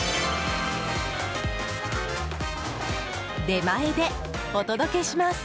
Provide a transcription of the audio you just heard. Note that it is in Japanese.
出前でお届けします。